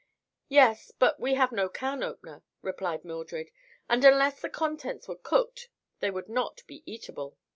"Yes; but we have no can opener," replied Mildred; "and, unless the contents were cooked, they would not be eatable."